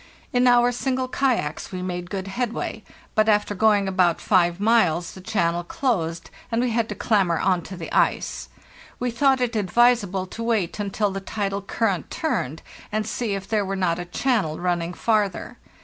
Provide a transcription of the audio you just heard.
In our single kayaks we made good headway, but after going about five miles the channel closed, and we had to clamber on to the ice. We thought it advisable to wait until the tidal current turned, and see if there were not a channel running farther.